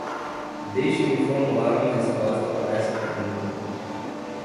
Deixe-me formular uma resposta para essa pergunta.